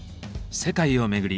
世界を巡り